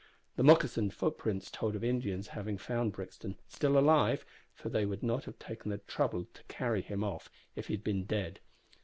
The moccasined footprints told of Indians having found Brixton still alive, for they would not have taken the trouble to carry him off if he had been dead.